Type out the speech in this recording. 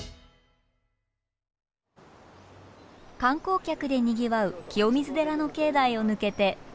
観光客でにぎわう清水寺の境内を抜けて登山口へ。